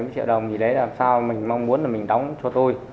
bảy mươi triệu đồng thì đấy là làm sao mình mong muốn là mình đóng cho tôi